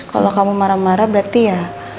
kalau kamu marah marah berarti ya